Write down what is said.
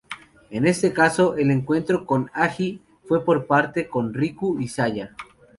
En este caso, el encuentro con Haji fue por parte con Riku y Saya.